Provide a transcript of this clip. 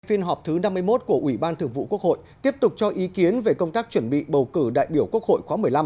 phiên họp thứ năm mươi một của ủy ban thường vụ quốc hội tiếp tục cho ý kiến về công tác chuẩn bị bầu cử đại biểu quốc hội khóa một mươi năm